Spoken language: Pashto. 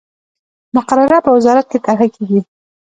مقرره په وزارت کې طرح کیږي.